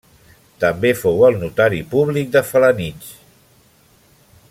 També fou el notari públic de Felanitx.